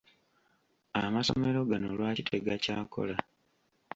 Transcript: Amasomero gano lwaki tegakyakola?